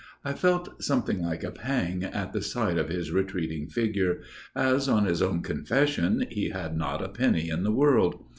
I felt something like a pang at the sight of his retreating figure, as, on his own confession, he had not a penny in the world.